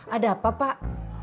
ada apa pak